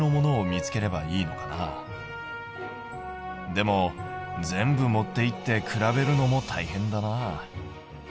でも全部持っていって比べるのもたいへんだな。